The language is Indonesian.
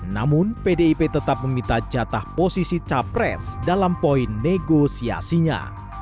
namun pdip tetap meminta jatah posisi capres dalam poin negosiasinya